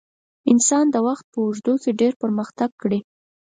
انسان د وخت په اوږدو کې ډېر پرمختګ کړی.